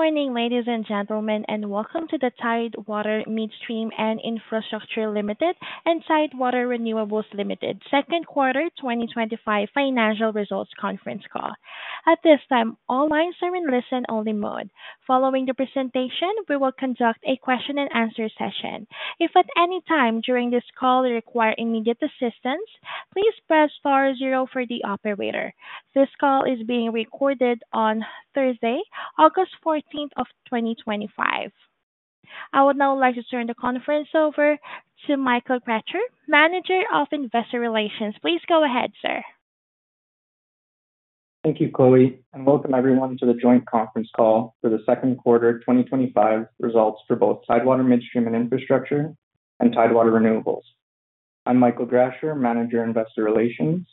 Good morning, ladies and gentlemen, and welcome to the Tidewater Midstream and Infrastructure Ltd. and Tidewater Renewables Ltd. Second Quarter 2025 Financial Results Conference Call. At this time, all lines are in listen-only mode. Following the presentation, we will conduct a question-and-answer session. If at any time during this call you require immediate assistance, please press star zero for the Operator. This call is being recorded on Thursday, August 14th, 2025. I would now like to turn the conference over to Michael Gracher, Manager of Investor Relations. Please go ahead, sir. Thank you, Chloe, and welcome everyone to the Joint Conference Call for the Second Quarter 2025 Results for both Tidewater Midstream and Infrastructure Ltd. and Tidewater Renewables. I'm Michael Gracher, Manager of Investor Relations.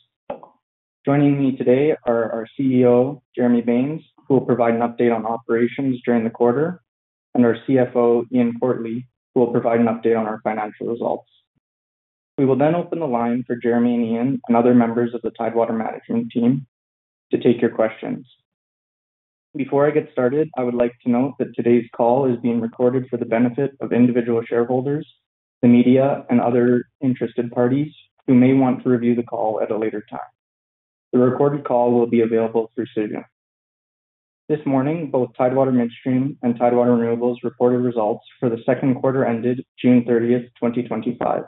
Joining me today are our CEO, Jeremy Baines, who will provide an update on operations during the quarter, and our CFO, Ian Quartly, who will provide an update on our financial results. We will then open the line for Jeremy and Ian and other members of the Tidewater management team to take your questions. Before I get started, I would like to note that today's call is being recorded for the benefit of individual shareholders, the media, and other interested parties who may want to review the call at a later time. The recorded call will be available through Cision. This morning, both Tidewater Midstream and Tidewater Renewables reported results for the second quarter ended June 30th, 2025.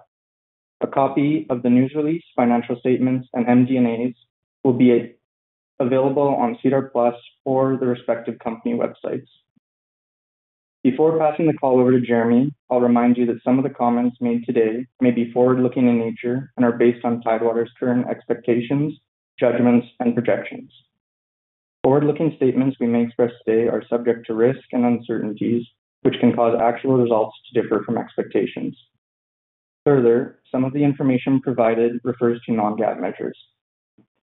A copy of the news release, financial statements, and MD&As will be available on SEDAR+ or the respective company websites. Before passing the call over to Jeremy, I'll remind you that some of the comments made today may be forward-looking in nature and are based on Tidewater's current expectations, judgments, and projections. Forward-looking statements we may express today are subject to risk and uncertainties, which can cause actual results to differ from expectations. Further, some of the information provided refers to non-GAAP measures.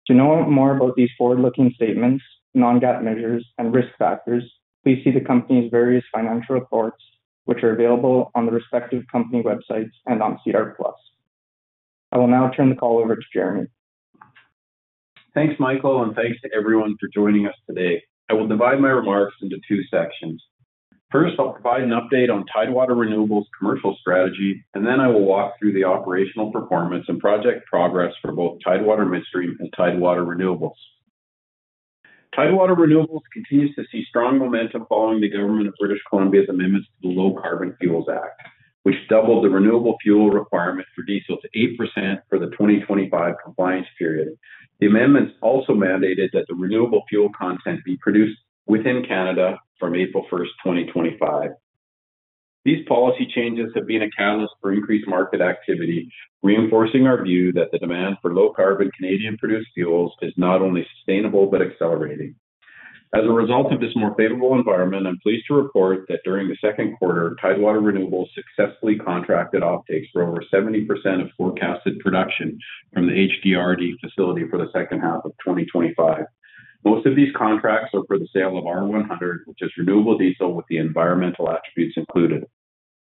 To know more about these forward-looking statements, non-GAAP measures, and risk factors, please see the company's various financial reports, which are available on the respective company websites and on SEDAR+. I will now turn the call over to Jeremy. Thanks, Michael, and thanks to everyone for joining us today. I will divide my remarks into two sections. First, I'll provide an update on Tidewater Renewables' commercial strategy, and then I will walk through the operational performance and project progress for both Tidewater Midstream and Tidewater Renewables. Tidewater Renewables continues to see strong momentum following the government of British Columbia's amendments to the Low Carbon Fuels Act, which doubled the renewable fuel requirement for diesel to 8% for the 2025 compliance period. The amendments also mandated that the renewable fuel content be produced within Canada from April 1st, 2025. These policy changes have been a catalyst for increased market activity, reinforcing our view that the demand for low-carbon Canadian-produced fuels is not only sustainable but accelerating. As a result of this more favorable environment, I'm pleased to report that during the second quarter, Tidewater Renewables successfully contracted uptakes for over 70% of forecasted production from the HDRD facility for the second half of 2025. Most of these contracts are for the sale of R100, which is renewable diesel with the environmental attributes included.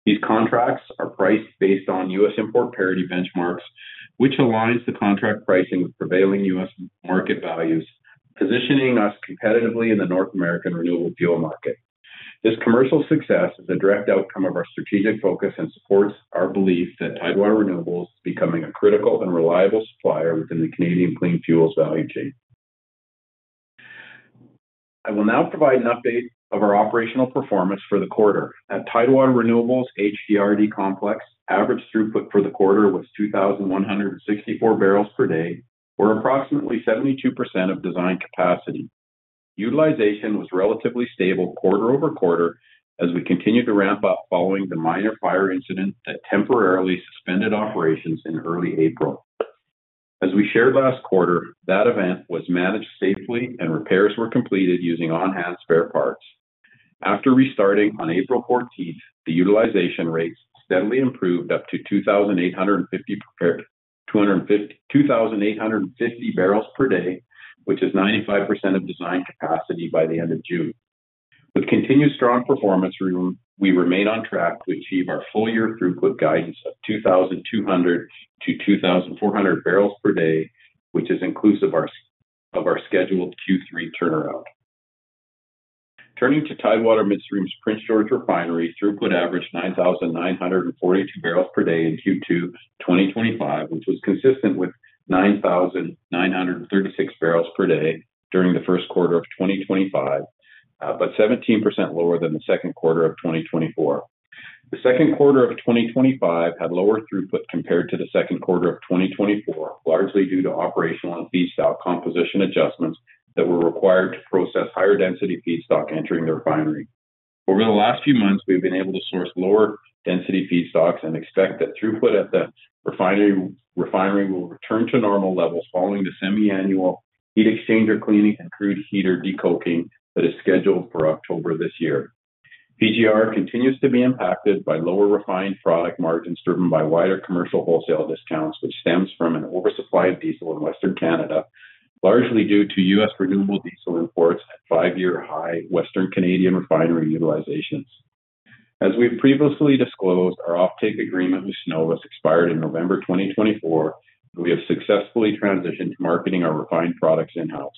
These contracts are priced based on U.S. import parity benchmarks, which aligns the contract pricing with prevailing U.S. market values, positioning us competitively in the North American renewable fuel market. This commercial success is a direct outcome of our strategic focus and supports our belief that Tidewater Renewables is becoming a critical and reliable supplier within the Canadian clean fuels value chain. I will now provide an update of our operational performance for the quarter. At Tidewater Renewables' HDRD complex, average throughput for the quarter was 2,164 bbl per day, or approximately 72% of design capacity. Utilization was relatively stable quarter over quarter as we continued to ramp up following the minor fire incident that temporarily suspended operations in early April. As we shared last quarter, that event was managed safely and repairs were completed using on-hand spare parts. After restarting on April 14, the utilization rates steadily improved up to 2,850 bbl per day, which is 95% of design capacity by the end of June. With continued strong performance, we remain on track to achieve our full-year throughput guidance of 2,200-2,400 bbl per day, which is inclusive of our scheduled Q3 turnaround. Turning to Tidewater Midstream's Prince George Refinery, throughput averaged 9,942 bbl per day in Q2 2025, which was consistent with 9,936 bbl per day during the first quarter of 2025, but 17% lower than the second quarter of 2024. The second quarter of 2025 had lower throughput compared to the second quarter of 2024, largely due to operational and feedstock composition adjustments that were required to process higher-density feedstock entering the refinery. Over the last few months, we've been able to source lower density feedstocks and expect that throughput at the refinery will return to normal levels following the semi-annual heat exchanger cleaning and crude heater decoking that is scheduled for October this year. PGR continues to be impacted by lower refined product margins driven by wider commercial wholesale discounts, which stems from an oversupply of diesel in Western Canada, largely due to U.S. renewable diesel imports at five-year high Western Canadian refinery utilizations. As we've previously disclosed, our offtake agreement with Synovus expired in November 2024, and we have successfully transitioned to marketing our refined products in-house.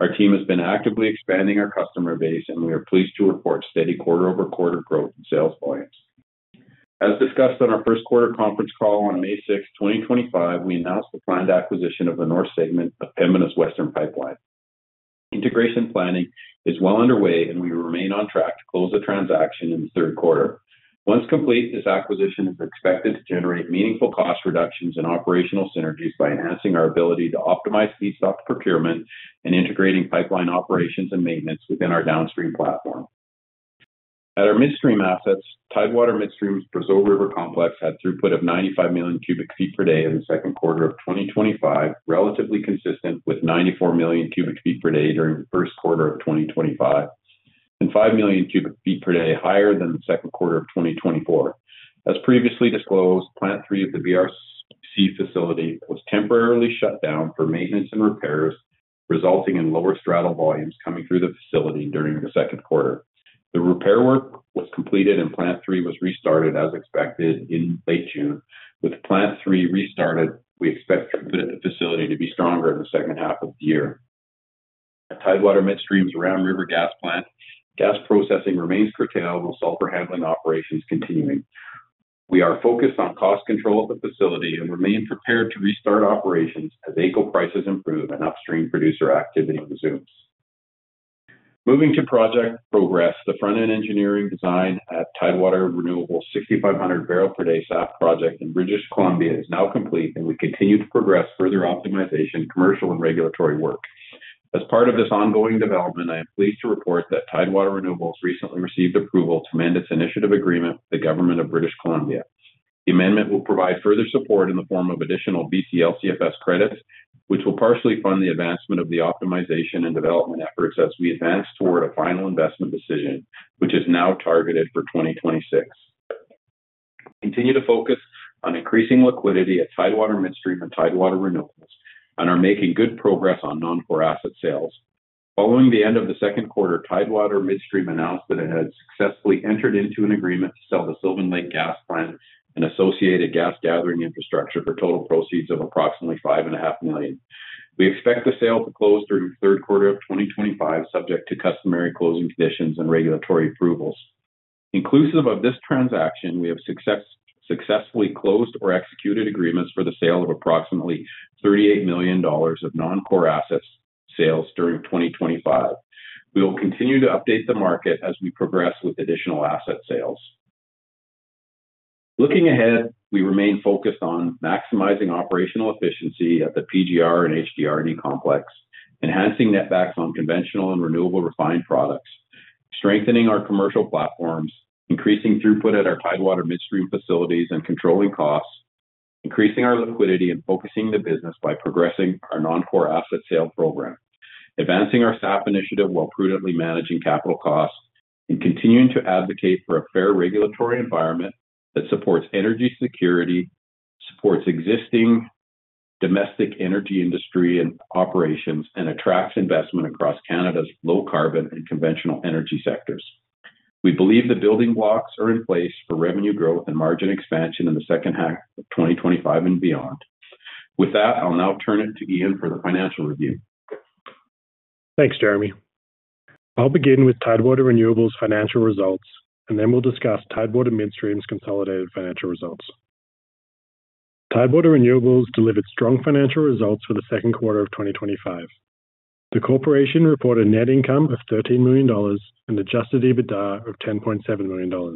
Our team has been actively expanding our customer base, and we are pleased to report steady quarter-over-quarter growth in sales volumes. As discussed on our first quarter conference call on May 6th, 2025, we announced the planned acquisition of the north segment of Pembina's Western Pipeline. Integration planning is well underway, and we remain on track to close the transaction in the third quarter. Once complete, this acquisition is expected to generate meaningful cost reductions and operational synergies by enhancing our ability to optimize feedstock procurement and integrating pipeline operations and maintenance within our downstream platform. At our midstream assets, Tidewater Midstream's Brazeau River Complex had throughput of 95 million cu ft per day in the second quarter of 2025, relatively consistent with 94 million cu ft per day during the first quarter of 2025, and 5 million cu ft per day higher than the second quarter of 2024. As previously disclosed, Plant 3 of the Brazeau River Complex facility was temporarily shut down for maintenance and repairs, resulting in lower straddle volumes coming through the facility during the second quarter. The repair work was completed and Plant 3 was restarted as expected in late June. With Plant 3 restarted, we expect the facility to be stronger in the second half of the year. At Tidewater Midstream's Ram River facility, gas processing remains curtailed with sulfur handling operations continuing. We are focused on cost control of the facility and remain prepared to restart operations as vehicle prices improve and upstream producer activity resumes. Moving to project progress, the front-end engineering design at Tidewater Renewables' 6,500 bbl per day SAF project in British Columbia is now complete, and we continue to progress further optimization, commercial, and regulatory work. As part of this ongoing development, I am pleased to report that Tidewater Renewables recently received approval to amend its initiative agreement with the government of British Columbia. The amendment will provide further support in the form of additional BC LCFS credits, which will partially fund the advancement of the optimization and development efforts as we advance toward a final investment decision, which is now targeted for 2026. We continue to focus on increasing liquidity at Tidewater Midstream and Tidewater Renewables and are making good progress on non-core asset sales. Following the end of the second quarter, Tidewater Midstream announced that it had successfully entered into an agreement to sell the Sylvan Lake Gas Plant and associated gas gathering infrastructure for total proceeds of approximately $5.5 million. We expect the sale to close during the third quarter of 2025, subject to customary closing conditions and regulatory approvals. Inclusive of this transaction, we have successfully closed or executed agreements for the sale of approximately $38 million of non-core asset sales during 2025. We will continue to update the market as we progress with additional asset sales. Looking ahead, we remain focused on maximizing operational efficiency at the Prince George Refinery and HDRD facility, enhancing net backs on conventional and renewable refined products, strengthening our commercial platforms, increasing throughput at our Tidewater Midstream facilities and controlling costs, increasing our liquidity and focusing the business by progressing our non-core asset sales program, advancing our SAF initiative while prudently managing capital costs, and continuing to advocate for a fair regulatory environment that supports energy security, supports existing domestic energy industry and operations, and attracts investment across Canada's low carbon and conventional energy sectors. We believe the building blocks are in place for revenue growth and margin expansion in the second half of 2025 and beyond. With that, I'll now turn it to Ian for the financial review. Thanks, Jeremy. I'll begin with Tidewater Renewables' financial results, and then we'll discuss Tidewater Midstream's consolidated financial results. Tidewater Renewables delivered strong financial results for the second quarter of 2025. The corporation reported a net income of $13 million and an adjusted EBITDA of $10.7 million,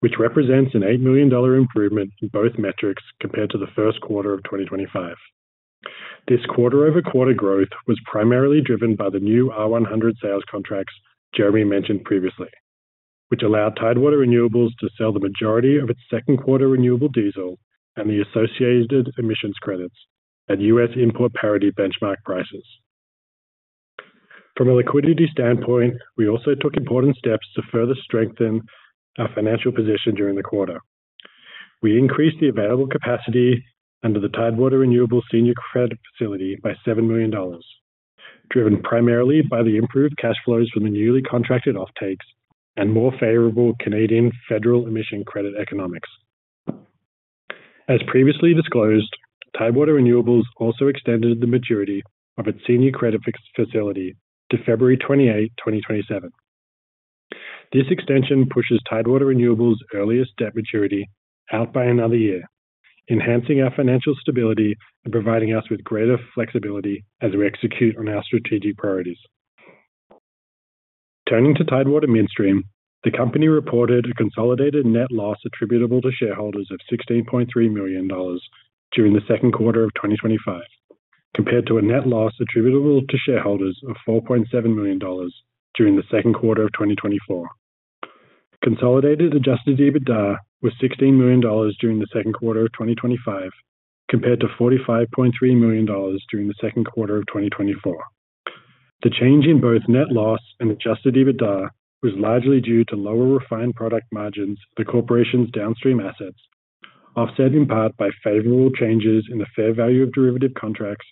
which represents an $8 million improvement in both metrics compared to the first quarter of 2025. This quarter-over-quarter growth was primarily driven by the new R100 renewable diesel sales contracts Jeremy mentioned previously, which allowed Tidewater Renewables to sell the majority of its second quarter renewable diesel and the associated emissions credits at U.S. import parity benchmark prices. From a liquidity standpoint, we also took important steps to further strengthen our financial position during the quarter. We increased the available capacity under the Tidewater Renewables Senior Credit Facility by $7 million, driven primarily by the improved cash flows from the newly contracted offtakes and more favorable Canadian federal emissions credit economics. As previously disclosed, Tidewater Renewables also extended the maturity of its Senior Credit Facility to February 28, 2027. This extension pushes Tidewater Renewables' earliest debt maturity out by another year, enhancing our financial stability and providing us with greater flexibility as we execute on our strategic priorities. Turning to Tidewater Midstream, the company reported a consolidated net loss attributable to shareholders of $16.3 million during the second quarter of 2025, compared to a net loss attributable to shareholders of $4.7 million during the second quarter of 2024. Consolidated adjusted EBITDA was $16 million during the second quarter of 2025, compared to $45.3 million during the second quarter of 2024. The change in both net loss and adjusted EBITDA was largely due to lower refined product margins at the corporation's downstream assets, offset in part by favorable changes in the fair value of derivative contracts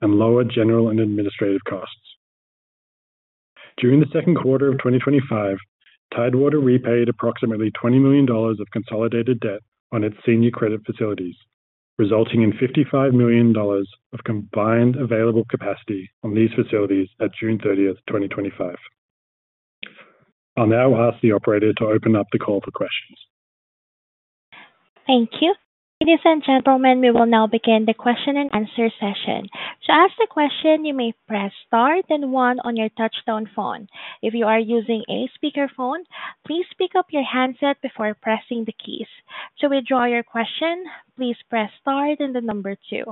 and lower general and administrative costs. During the second quarter of 2025, Tidewater repaid approximately $20 million of consolidated debt on its Senior Credit Facilities, resulting in $55 million of combined available capacity on these facilities at June 30th, 2025. I'll now ask the operator to open up the call for questions. Thank you, ladies and gentlemen. We will now begin the question and answer session. To ask a question, you may press star then one on your touch-tone phone. If you are using a speaker phone, please pick up your handset before pressing the keys. To withdraw your question, please press star then the number two.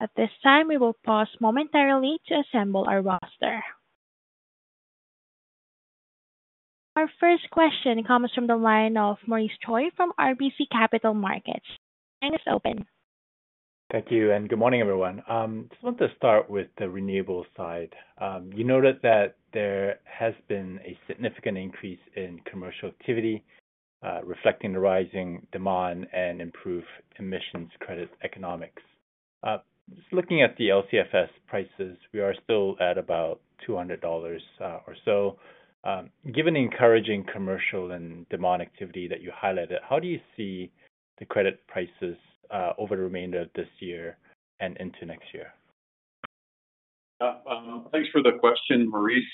At this time, we will pause momentarily to assemble our roster. Our first question comes from the line of Maurice Choy from RBC Capital Markets. The line is open. Thank you, and good morning, everyone. I just wanted to start with the renewables side. You noted that there has been a significant increase in commercial activity, reflecting the rising demand and improved emissions credit economics. Just looking at the LCFS prices, we are still at about $200 or so. Given the encouraging commercial and demand activity that you highlighted, how do you see the credit prices over the remainder of this year and into next year? Thanks for the question, Maurice.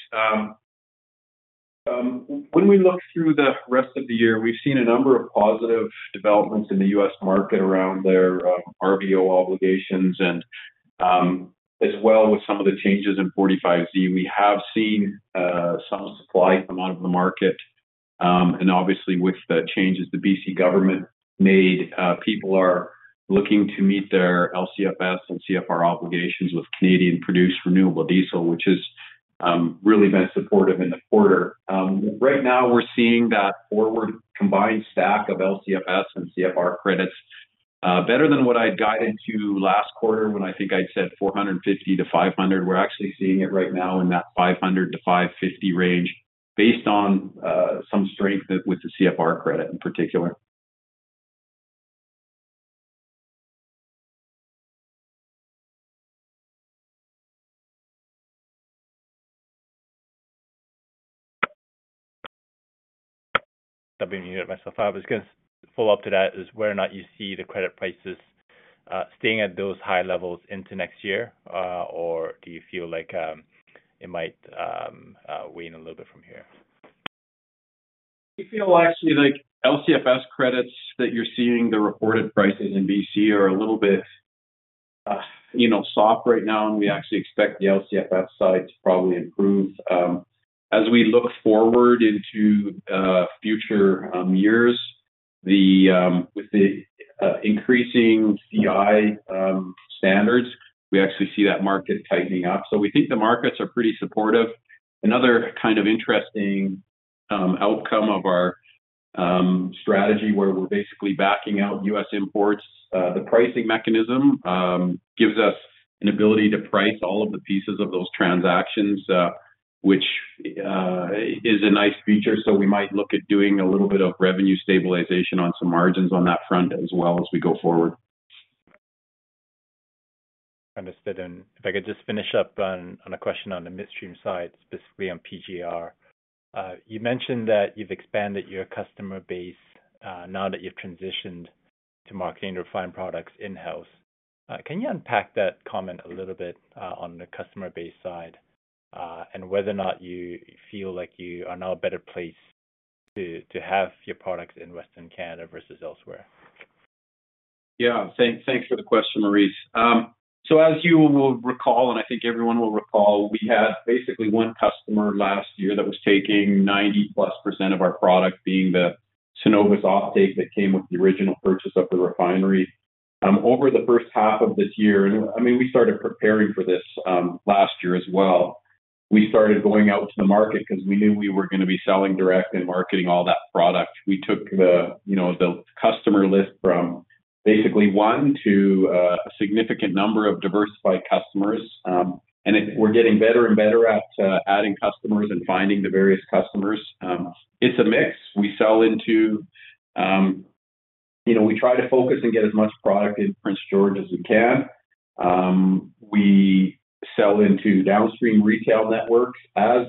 When we look through the rest of the year, we've seen a number of positive developments in the U.S. market around their RVO obligations and as well with some of the changes in 45Z. We have seen some supply come onto the market, and obviously with the changes the BC government made, people are looking to meet their LCFS and CFR obligations with Canadian-produced renewable diesel, which has really been supportive in the quarter. Right now, we're seeing that forward combined stack of LCFS and CFR credits better than what I'd gotten to last quarter when I think I'd said $450-$500. We're actually seeing it right now in that $500-$550 range based on some strength with the CFR credit in particular. I was going to follow up to that. Is whether or not you see the credit prices staying at those high levels into next year, or do you feel like it might wane a little bit from here? I feel actually like LCFS credits that you're seeing, the reported prices in BC are a little bit, you know, soft right now, and we actually expect the LCFS side to probably improve. As we look forward into future years, with the increasing CI standards, we actually see that market tightening up. We think the markets are pretty supportive. Another kind of interesting outcome of our strategy where we're basically backing out U.S. imports, the pricing mechanism gives us an ability to price all of the pieces of those transactions, which is a nice feature. We might look at doing a little bit of revenue stabilization on some margins on that front as well as we go forward. Understood. If I could just finish up on a question on the midstream side, specifically on the Prince George Refinery, you mentioned that you've expanded your customer base now that you've transitioned to marketing your refined products in-house. Can you unpack that comment a little bit on the customer base side and whether or not you feel like you are now in a better place to have your products in Western Canada versus elsewhere? Yeah, thanks for the question, Maurice. As you will recall, and I think everyone will recall, we had basically one customer last year that was taking 90%+ of our product, being the Synovus offtake that came with the original purchase of the refinery. Over the first half of this year, and I mean, we started preparing for this last year as well, we started going out to the market because we knew we were going to be selling direct and marketing all that product. We took the customer list from basically one to a significant number of diversified customers, and we're getting better and better at adding customers and finding the various customers. It's a mix. We sell into, you know, we try to focus and get as much product in Prince George as we can. We sell into downstream retail networks. As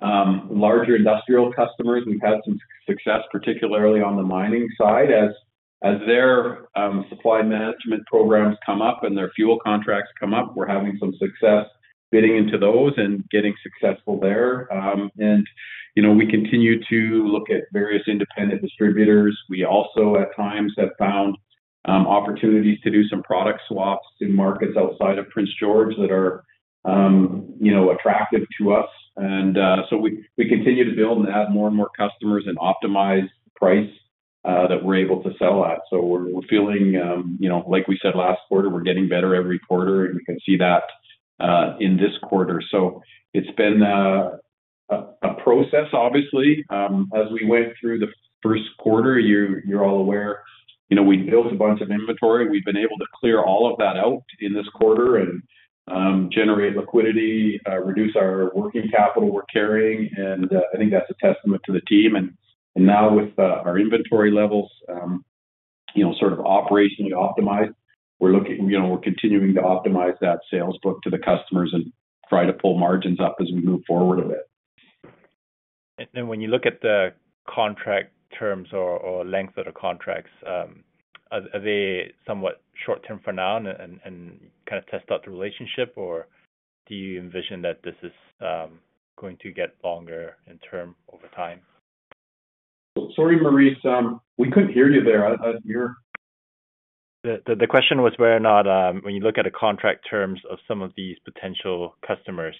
larger industrial customers, we've had some success, particularly on the mining side. As their supply management programs come up and their fuel contracts come up, we're having some success bidding into those and getting successful there. We continue to look at various independent distributors. We also, at times, have found opportunities to do some product swaps in markets outside of Prince George that are attractive to us. We continue to build and add more and more customers and optimize the price that we're able to sell at. We're feeling, like we said last quarter, we're getting better every quarter, and you can see that in this quarter. It's been a process, obviously. As we went through the first quarter, you're all aware, we built a bunch of inventory. We've been able to clear all of that out in this quarter and generate liquidity, reduce our working capital we're carrying. I think that's a testament to the team. Now with our inventory levels sort of operationally optimized, we're looking, we're continuing to optimize that sales book to the customers and try to pull margins up as we move forward a bit. When you look at the contract terms or length of the contracts, are they somewhat short-term for now and kind of test out the relationship, or do you envision that this is going to get longer in term over time? Sorry, Maurice, we couldn't hear you there. The question was whether or not, when you look at the contract terms of some of these potential customers,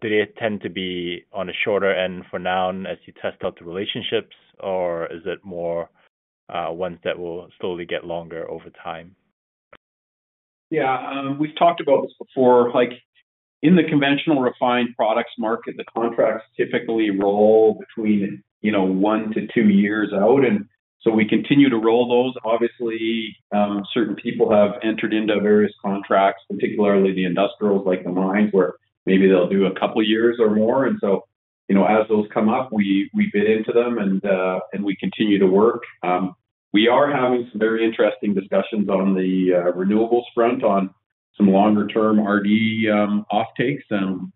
do they tend to be on the shorter end for now as you test out the relationships, or is it more ones that will slowly get longer over time? Yeah, we've talked about this before. In the conventional refined products market, the contracts typically roll between, you know, 1-2 years out, and we continue to roll those. Obviously, certain people have entered into various contracts, particularly the industrials like the mines, where maybe they'll do a couple of years or more. As those come up, we bid into them and we continue to work. We are having some very interesting discussions on the renewables front on some longer-term RD offtakes.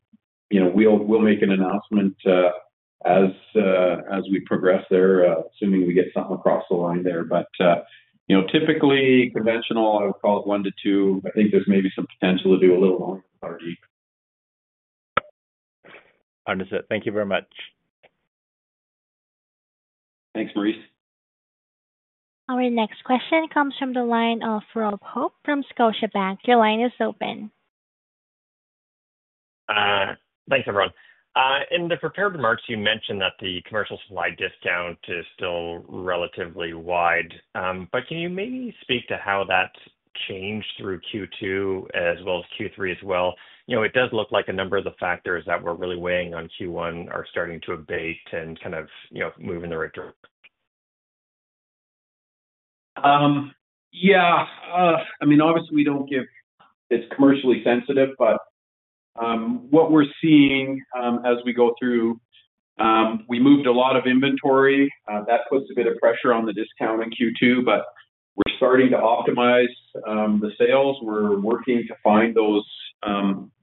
We'll make an announcement as we progress there, assuming we get something across the line there. Typically, conventional, I would call it one to two. I think there's maybe some potential to do a little longer RD. Understood. Thank you very much. Thanks, Maurice. Our next question comes from the line of Rob Hope from Scotiabank. Your line is open. Thanks, everyone. In the prepared remarks, you mentioned that the commercial supply discount is still relatively wide, but can you maybe speak to how that's changed through Q2 as well as Q3 as well? It does look like a number of the factors that were really weighing on Q1 are starting to abate and kind of move in the right direction. Yeah, I mean, obviously, we don't give. It's commercially sensitive, but what we're seeing as we go through, we moved a lot of inventory. That puts a bit of pressure on the discount in Q2, but we're starting to optimize the sales. We're working to find those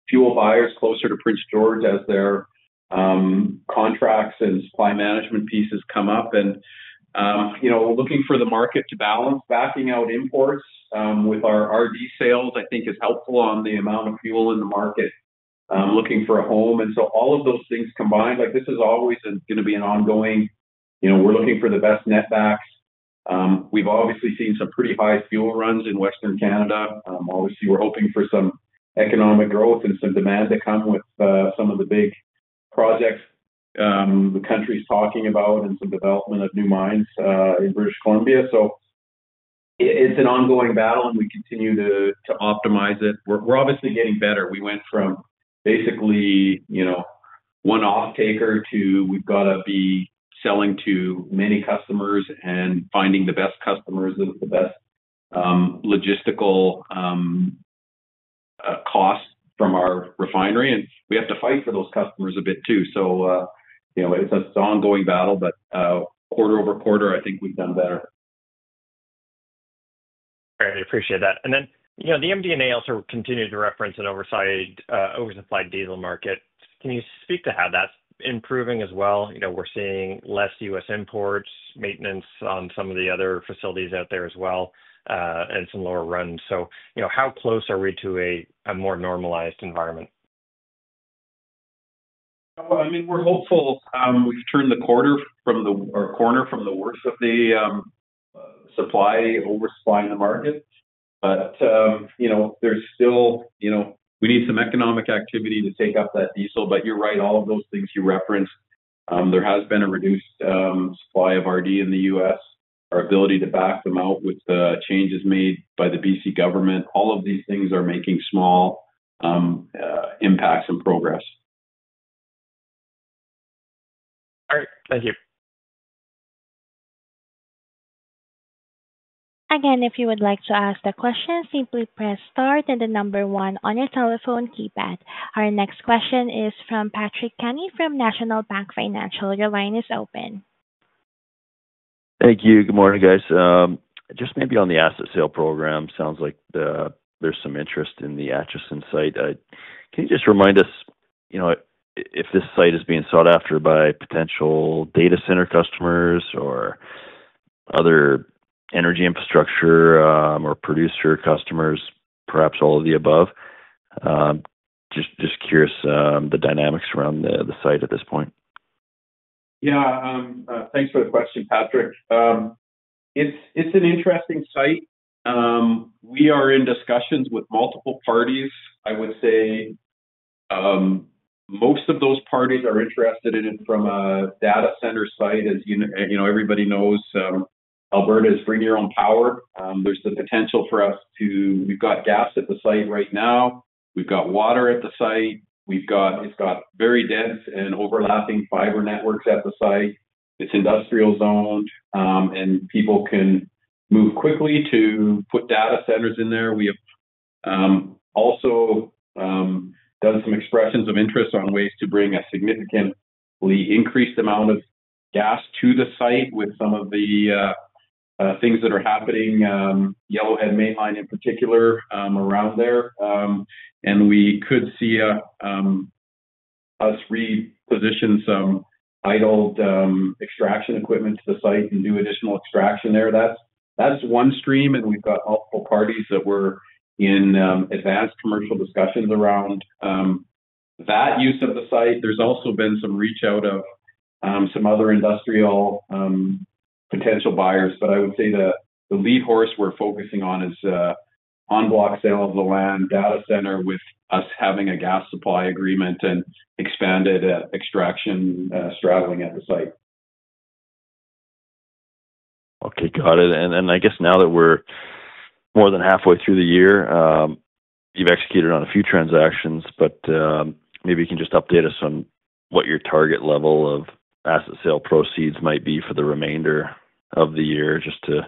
fuel buyers closer to Prince George as their contracts and supply management pieces come up. You know, looking for the market to balance backing out imports with our RV sales, I think, is helpful on the amount of fuel in the market looking for a home. All of those things combined, like this is always going to be an ongoing, you know, we're looking for the best net backs. We've obviously seen some pretty high fuel runs in Western Canada. Obviously, we're hoping for some economic growth and some demand to come with some of the big projects the country's talking about and some development of new mines in British Columbia. It's an ongoing battle, and we continue to optimize it. We're obviously getting better. We went from basically, you know, one offtaker to we've got to be selling to many customers and finding the best customers with the best logistical cost from our refinery. We have to fight for those customers a bit too. You know, it's an ongoing battle, but quarter over quarter, I think we've done better. I really appreciate that. The MD&A also continued to reference an oversupplied diesel market. Can you speak to how that's improving as well? We're seeing less U.S. imports, maintenance on some of the other facilities out there as well, and some lower runs. How close are we to a more normalized environment? We're hopeful we can turn the corner from the worst of the oversupply in the market. There's still, you know, we need some economic activity to take up that diesel. You're right, all of those things you referenced, there has been a reduced supply of renewable diesel in the U.S. Our ability to back them out with changes made by the BC government, all of these things are making small impacts and progress. All right, thank you. Again, if you would like to ask a question, simply press star then the number one on your telephone keypad. Our next question is from Patrick Kenny from National Bank Financial. Your line is open. Thank you. Good morning, guys. Just maybe on the asset sale program, sounds like there's some interest in the Acheson site. Can you just remind us if this site is being sought after by potential data center customers or other energy infrastructure or producer customers, perhaps all of the above? Just curious the dynamics around the site at this point. Yeah, thanks for the question, Patrick. It's an interesting site. We are in discussions with multiple parties. I would say most of those parties are interested in it from a data center site. As you know, everybody knows, Alberta is bring your own power. There's the potential for us to, we've got gas at the site right now. We've got water at the site. We've got very dense and overlapping fiber networks at the site. It's industrial zoned, and people can move quickly to put data centers in there. We have also done some expressions of interest on ways to bring a significantly increased amount of gas to the site with some of the things that are happening, Yellowhead Mainline in particular around there. We could see us reposition some idled extraction equipment to the site and do additional extraction there. That's one stream, and we've got multiple parties that were in advanced commercial discussions around that use of the site. There's also been some reach out of some other industrial potential buyers, but I would say the lead horse we're focusing on is on-block sale of the land data center with us having a gas supply agreement and expanded extraction straddling at the site. Okay, got it. I guess now that we're more than halfway through the year, you've executed on a few transactions. Maybe you can just update us on what your target level of asset sale proceeds might be for the remainder of the year just to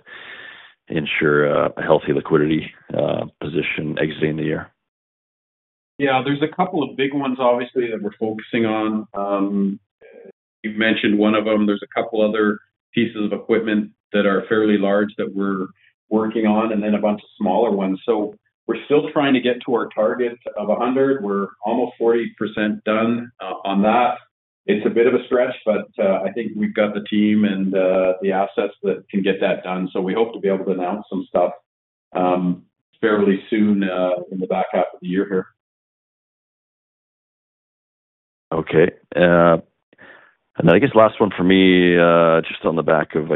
ensure a healthy liquidity position exiting the year. Yeah, there's a couple of big ones, obviously, that we're focusing on. You've mentioned one of them. There's a couple other pieces of equipment that are fairly large that we're working on, and then a bunch of smaller ones. We're still trying to get to our target of 100. We're almost 40% done on that. It's a bit of a stretch, but I think we've got the team and the assets that can get that done. We hope to be able to announce some stuff fairly soon in the back half of the year here. Okay. Last one for me, just on the back of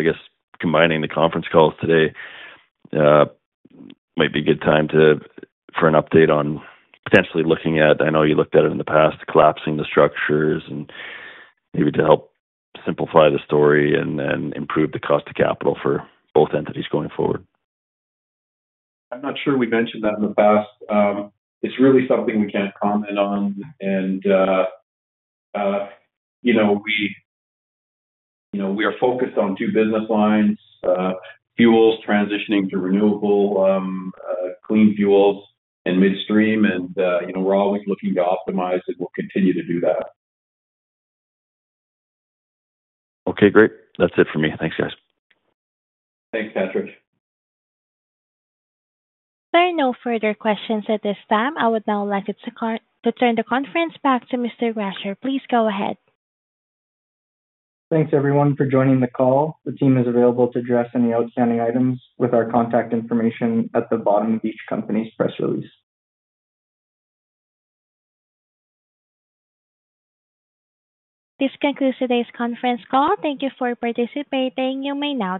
combining the conference calls today, it might be a good time for an update on potentially looking at, I know you looked at it in the past, collapsing the structures and maybe to help simplify the story and then improve the cost of capital for both entities going forward. I'm not sure we mentioned that in the past. It's really something we can't comment on. We are focused on two business lines: fuels transitioning to renewable clean fuels and midstream. We are always looking to optimize and we'll continue to do that. Okay, great. That's it for me. Thanks, guys. Thanks, Patrick. There are no further questions at this time. I would now like to turn the conference back to Mr. Gracher. Please go ahead. Thanks, everyone, for joining the call. The team is available to address any outstanding items with our contact information at the bottom of each company's press release. This concludes today's conference call. Thank you for participating. You may now disconnect.